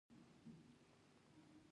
د بخارۍ کارونه باید له احتیاط سره ترسره شي.